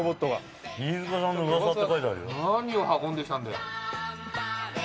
何を運んで来たんだよ。